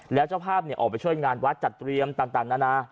แล้วเจ้าภาพเนี้ยออกไปช่วยงานวัดจัดเตรียมต่างด่า